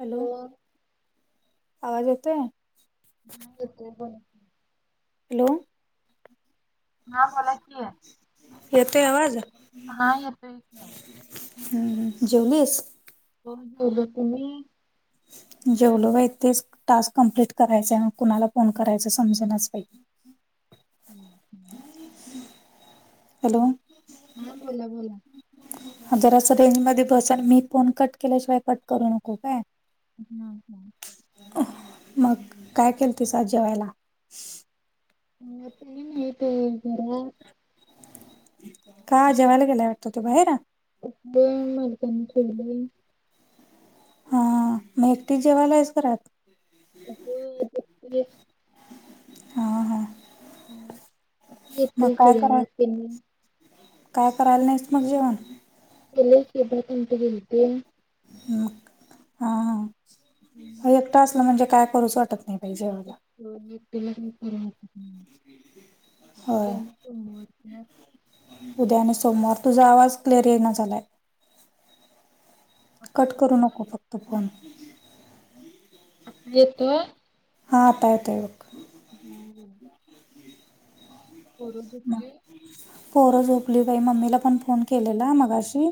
Hello आवाज यते आहे नाही कोण हॅलो हा बला कि आहे येतोय आवाज हा येतो क आहे हम्म जेवणेस करतल तुम् जेवलो बा तेच टास्क कमप्लीट करायच कुणाला फोन करायचा समजणच पाहिजे हम् हॅलो हा बोला बोला हा जर असं रेंज मध्ये बसाल मी पोन कट केल्याशिवाय कट करू नको काय हम् हम् मग काय केल तचा जेवायला म ते मु का जेवायला गेलाय वाटतं तू बाहेर उ मलकनी डलाई हा मग एकटीच जेवायला आहेच कराात हो [unintelligible] हां हां. काय करा [unintelligible] काय करायला नाहीस मग जेवण? [unintelligible] हा ह ह, एकटं असलं म्हणजे काय करूच वाटत नाही. पाहिजेवाला होय [unintelligible] उद्या आणि सोमवार, तुझा आवाज क्लिअर इना झालाय. कट करू नको फक्त फोन. आता येतो हां आता येतोय बग. [inaudible] पोरं मग झोपली? पोरं झोपली बई. मम्मीला पण फोन केलेला मगाशी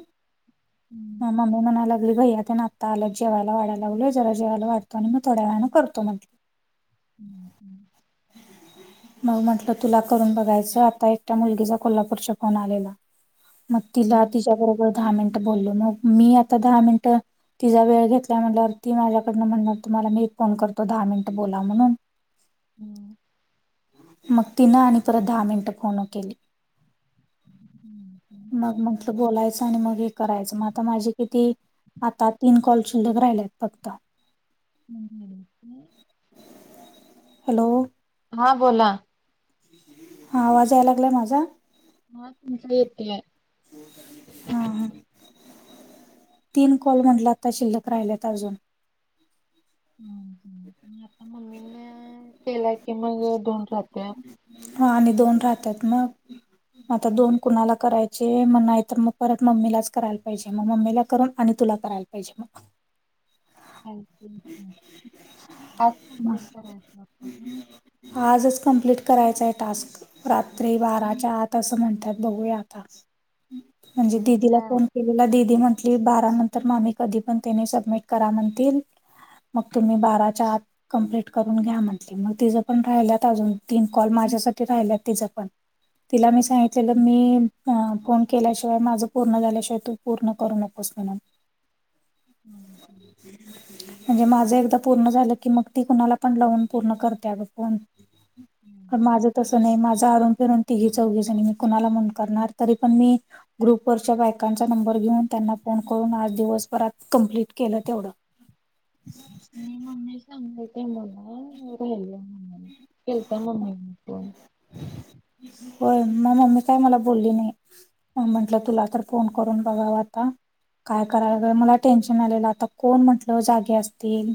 म ममी मना लागली भैया तेन आता आल्यात जेवायला वाढा लागलोय, जरा जेवायला वाढतो आणि मग थोड्या वेळांन करतो म्हटली. हम्म हम्. मग म्हटलं तुला करून बघायचं, आता एकट्या मुलगीचा कोल्हापूरच्या फोन आलेला. मग तिला तिच्याबरोबर दहा मिनट बोलल. मग मी आता दहा मिनिट तिजा वेळ घेतल्या म्हटल्यावर ती माझ्याकडनं म्हणणार तुम्हाला मी एक फोन करतो दहा मिनटं बोला म्हणून. मग तिनं आणि परत दहा मिनिटं फोन केली. हम्म हम्म. [unintelligible] बोलायच आणि मग हे करायच. मग आता माझे किती, आता तीन कॉल शिल्लक राहिल्यात फक्त. हम्म हम्म काय. हॅलो. हा बोला. हा आवाज यायला लागलाय माझा? हा तुमचा येतय. हा ह. तीन कॉल म्हटला आता शिल्लक राहिल्यात अजून. ह आता मम्मीना केला कि मग दोन राहत्यात. ह आणि दोन राहत्यात मग. आता दोन कुणाला करायचे, मग नाही तर मग परत मम्मीलाच करायला पाहिजे. मग मम्मीला करून आणि तुला करायला पाहिजे मग. हाय की [unintelligible] टास्क कम्प्लीट मग करायचं आता ह. आजच कम्प्लीट करायचंय टास्क. रात्री बाराच्या आत असं म्हणत्यात बघूया आता. म्हणजे दिदीला फोन [unintelligible] दीदी म्हंटली, बारा नंतर मामी कधी पण त्यानी सबमिट करा म्हणतील मग तुम्ही बाराच्या आत कंप्लीट करून घ्या म्हटली, मग तिजं पण राहिल्यात अजून. तीन कॉल माझ्यासाठी राहिला तिज पण. तिला मी सांगितलेलं. मी फोन केल्याशिवाय माझं पूर्ण झाल्याशिवाय, तू पूर्ण करू नकोस म्हणून. हम्म हम्. [inaudible] म्हणजे माझं एकदा पूर्ण झालं की मग ती कुणाला पण लावून पूर्ण करत्या ग फोन. हम्म. पण माझं तसं नाही. माझं आरुन फिरून तीही चौघी जणी, मी कुणाला म्हणुन करणार. तरी पण मी ग्रुप वरच्या बायकांचा नंबर घेऊन, त्यांना फोन करून आज दिवसभरात कंप्लीट केलं तेवढं. म मम्मी सांगाेत मला राहिली आहे मम्मीला केलता मम्मी न फोन होय म मम्मी काय मला बोलली नाही म्हटलं तुला तर फोन करून बघाव आता काय करायलाग मला टेन्शन आलेलं आता कोण म्हंटलं जागे असतील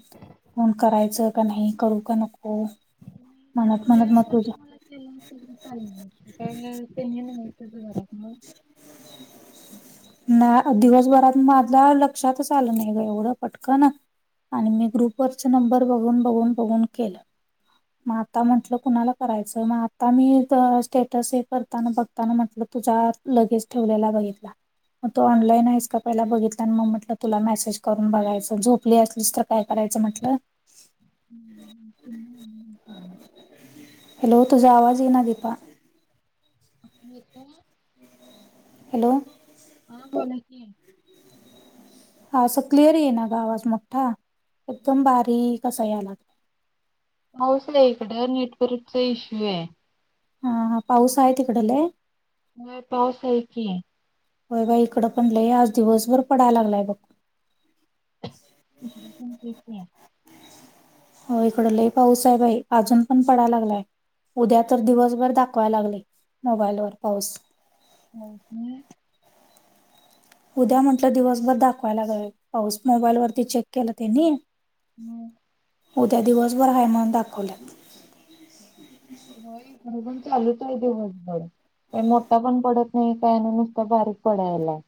फोण करायचं का नाही, करू का नको म्हणत म्हणत मग संध्यावर तुझ तु म्हाला केले चाल ते नाही त घर [unintelligible] नाही दिवसभरात माझा लक्षातच आलं नाही ग एवढं पटक ना आणि मी ग्रुपवरच नंबर बघून बघून बघून केलं मग आता म्हंटलं कुणाला करायचं मग आता मी स्टेटस हे करताना बघ ता म्हटलं तुझा लगेज ठेवलेला बघितला मग तू ऑनलाईन आहेस का पहिला बघितला आणि मग म्हटलं तुला मेसेज करून बघायचं झोपली असलीस तर काय करायचं म्हटलं हम् तम हॅलो तुझा आवाज येे ना दिपा [unintelligible] हॅलो हा बोला कि हा असं क्लिअर ये ना गा आवाज मोठा एकदम बारीक असा या लागलाय पाऊसय इकडं नेटवर्कचा इशूये हा हा पाऊस आहे तिकड लय होय पाऊस हाय की होय बाई इकडं पण लय आज दिवसभर पडाय लागलाय बघ इकडं पण तेचय हो इकडं लई पाऊस आहे बाई अजून पण पडा लागलाय. उद्या तर दिवसभर दाखवायला लागले मोबाईलवरर पाऊस [unintelligible] उद्या म्हटलं दिवसभर दाखवायलाग पाऊस मोबाईल वरती चेक केलं त्यांनी हम् उद्या दिवसभर [unintelligible] दाखवल्यात [unintelligible] पण चालूच आहे दिवसभर का मोठा पण पडत नाही काय नाय नुसता बारीक पडायलाय.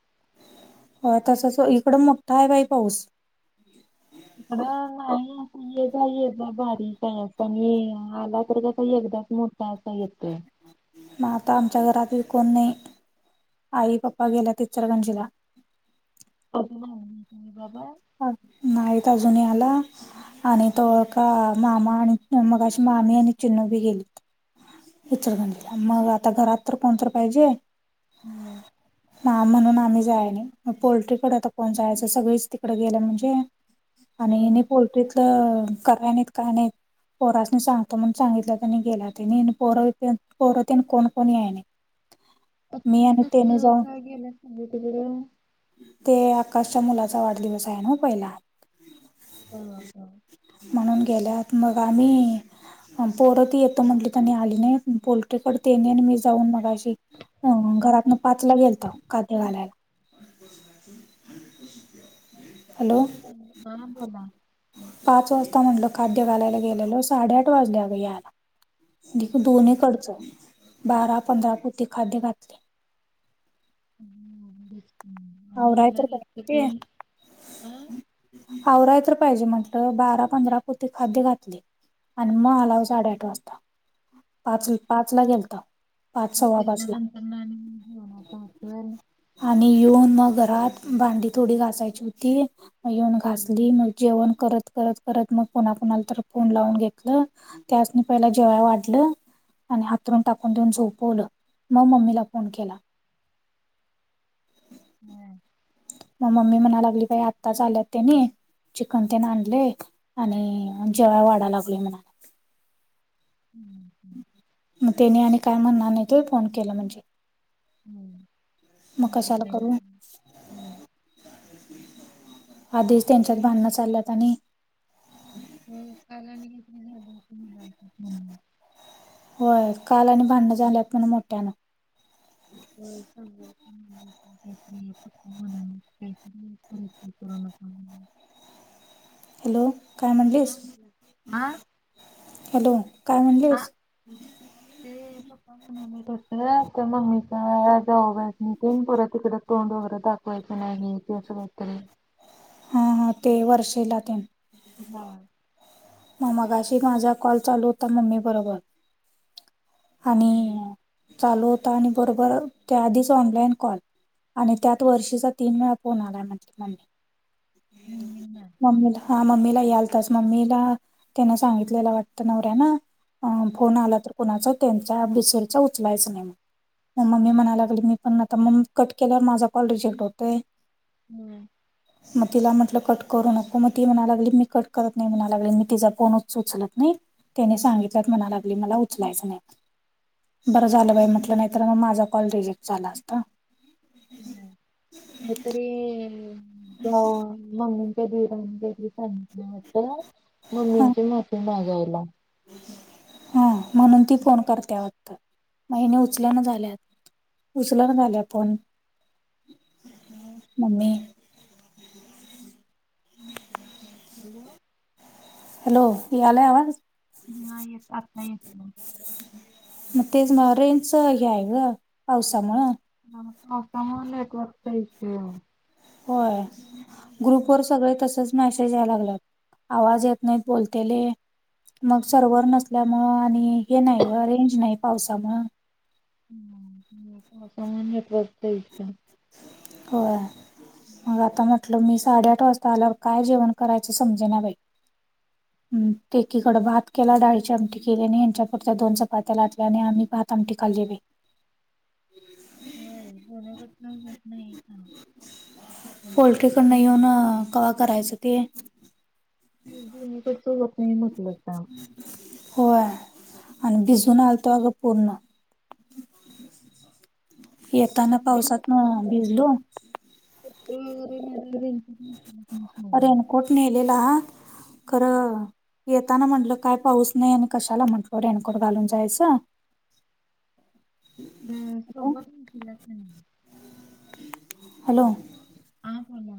हो तसच इकडं मोठा आहे बाई पाऊस. इकड नाही ये जा ये जा बारीक आहे [unintelligible] आला तर कसा एकदाच मोठ [unintelligible] येतोय म आता आमच्या घरात कोण नाही आई पप्पा गेल्यात इचलकनजीला अजून आले नाहीत आई-बाबा? नाहीत अजून याला आणि तोळका मामा आणि मगाशी मामी आणि चिन्नू बी गेली इचलकंजीला म आता घरात तर कोणतर पाहिजे होय हा म्हणून आम्ही जायाय नाही मग पोल्ट्रीकड आता कोण जायाचं सगळीच तिकड गेलं म्हणजे आणि हेनी पोल्ट्रीतलं कराय नाहीत काय नाहीत पोरासनी सांगतो म्हणून सांगितल्यात आणि गेल्यात हेनी अन् पोर पोर तेन कोण कोण याय नाहीत. मी आपल्यालाच आणि त्यानी अस जाऊन का गेल्यात [unintelligible] ते आकाशच्या मुलाचा वाढदिवस आहे ना पहिला. म्हणून गेल्यात मग आम्ही अन् पोर ती येतो म्हटली आणि आली नाहीत. पोल्ट्रीकडे तेनी अन् मी जाऊन मगाशी अ घरातन पाचला गेलताव [unintelligible] घालायला. [inaudible] [inaudible] हा बोला. पाच वाजता म्हटलं खाद्य घालायला गेलेलो, साडेआठ वाजले अगं याला. दे दोनी कडच. बारा, पंधरा पोती खाद्य घातले. [unintelligible] आवराय तर पाहिजे. आवराय तर पाहिजे म्हटलं. बारा, पंधरा पोती खाद्य घातलंय. आणि मग आलाव साडेआठ वाजता. पाच पाच ला गेलताव. तेच्यानंतरन आणि जेवणाच असल? आणि येऊन मग घरात, भांडी थोडी घासायची होती. मग येऊन घासली. मग जेवण करत करत करत मग कुणा कुणालातर फोन लावून घेतलं त्यासनी पहिला जेव्हाय वाढलं आणि हातरून टाकून देऊन झोपवलं. मंग मम्मीला फोन केला. ह. मग मम्मी म्हणा लागली बाई, आत्ताच आल्यात तेनी. चिकन तेन आणलय, आणि जेव्हा वाडा लागलोय म्हण. हम्म. मग तेनी आणि काय म्हणणार नाहीत व्हय फोन केल म्हणजे. म काशाला करू. आधीच त्यांच्यात भांडणं चालल्यात आणि. हो काल आणि [unintelligible] होय. काल आणि भांडन झाल्यात म्हण मोठ्यानं. वेलकम [unintelligible] [unintelligible] हॅलो काय म्हणलीस? हॅलो काय म्हणलीस? ते प [unintelligible] मम्मीचा जॉब हाय [unintelligible] परत तिकड तोंड वगैरे दाख वायच नाही आणि [unintelligible] हा हा ते वर्षिला तेन. हा. मग मगाशी माझा कॉल चालू होता मम्मी बरोबर, आणि चालू होता आणि बरोबर त्या आधीच ऑनलाईन कॉल आणि त्यात वर्षीचा तीन वेळा फोन आलाये म मम्मीला, हा मम्मीला यालतास. मम्मीला त्यान सांगितलेला वाटतं नवऱ्यान, अ फोन आला तर कोणाचाच त्यांचा बिसूरचा उचलायचं नाही म्हणून. मग मम्मी म्हणायला लागली मी पण आता मम्मी कट केल्यावर माझा कॉल रिजेक्ट होतोय. हम्म. मग तिला म्हटलं कट करू नको. मग ती म्हणालागली मी कट करत नाही म्हणा लागली मी तिचा कोण उच उचलत नाही. त्यानी सांगितल्यात म्हणा लागली मला उचलायचं नाही. बरं झालं बाई म्हटलं नाहीतर मग माझा कॉल रिजेक्ट झाला असता. ह, हे तरी [unintelligible] मम्मींच्या [unintelligible] घरी सांगितलं होतं, मम्मींची माफी मागायला. हां म्हणून ती फोन करत्या वाटत म हिन उचलना झाल्या. उचलणा झाल्या फोन मग मम्मी हाय हॅलो हॅलो येय आलंय आवाज नाही येत आता येत नाही मग तेच म रेंच हे आहे ग पावसामुळं पावसामुळे नेटवर्क चा इशू होय ग्रुप वर सगळे तसंच मेसेज यायला लागलात आवाज येत नाहीत बोलतेले मग सर्वर नसल्यामुळं आणि हे नाही ग रेंज नाही पावसामुळं हम्म पावसामुळे नेर्टवक चा इशू आहे होय आता मग म्हटल मी साडेआठ वाजता आल्यावर काय जेवण करायच समजे ना बाई ह येकीकडे भात केला डाळीची आमटी केलीने ह्यांच्यापुरत्या दोन चपात्या लातल्या आणि आम्ही भात आमटिकाललेवे होय जनकटनात नाही का पोल्ट्रीकडन येऊन कवा करायचं ते दुक चलत नाही म्हटलं काम. होय आणि भिजून आलतो अगं पूर्ण येताना पावसात ना भिजलो. पत्र वगैरे म त्यां. रेनकोट नेलेला. खरं येताना म्हंटलं काय पाऊस नाही आणि कशाला म्हंटल रेनकोट घालून जायचं. सोबत नच नाही. हॅलो ह ह ह.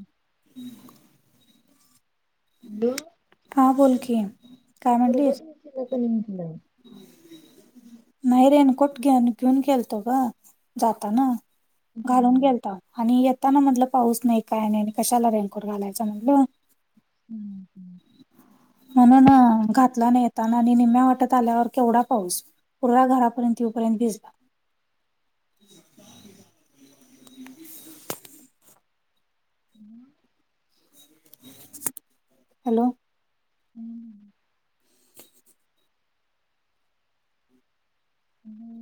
हम्म. हॅल्लो हां बोलकी. सबत म का क म्ह तला. नाही रेन कोठ घेन घेऊन गेलतो गं जाताना घालून गेलता आणि येताना म्हटलं पाऊस नाही काय नाही कशाला रेनकोट घालायचा म्हटलं हम्म हम्म म्हण ना घातला नाहीताना आणि निम््या वाटत आल्यावर केवढा पाऊस पूर्वा घरापर्यंत येपर्यंत भेजला हम्म हॅलो हम्म हम्म.